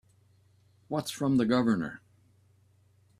What's from the Governor?